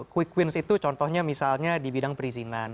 quick wins itu contohnya misalnya di bidang perizinan